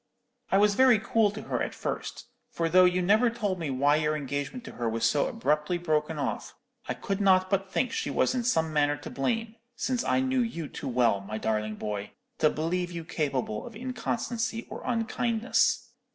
I was very cool to her at first; for though you never told me why your engagement to her was so abruptly broken off, I could not but think she was in some manner to blame, since I knew you too well, my darling boy, to believe you capable of inconstancy or unkindness.